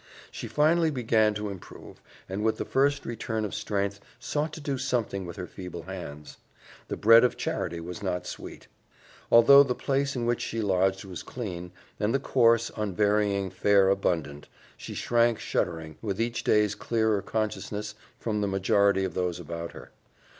She finally began to improve, and with the first return of strength sought to do something with her feeble hands. The bread of charity was not sweet. Although the place in which she lodged was clean, and the coarse, unvarying fare abundant, she shrank shuddering, with each day's clearer consciousness, from the majority of those about her.